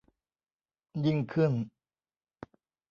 ยิ่งขึ้น